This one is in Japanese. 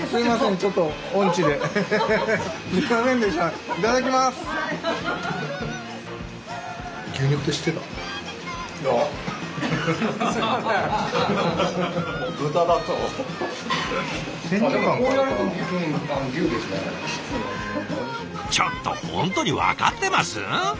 ちょっと本当に分かってます？